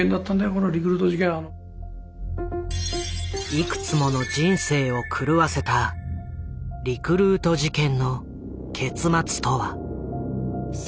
いくつもの人生を狂わせたリクルート事件の結末とは？